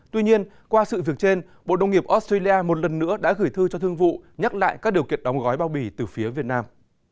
tuy nhiên qua sự việc trên bộ đông nghiệp australia một lần nữa đã gửi thư cho thương vụ nhắc lại các điều kiện đóng gói bao bì từ phía việt nam